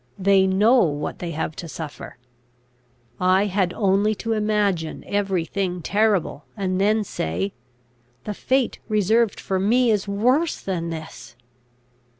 They know what they have to suffer. I had only to imagine every thing terrible, and then say, "The fate reserved for me is worse than this!"